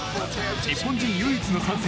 日本人唯一の参戦